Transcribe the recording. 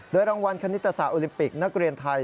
รางวัลคณิตศาสตโอลิมปิกนักเรียนไทย